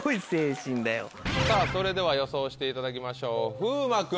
さぁそれでは予想していただきましょう風磨君から。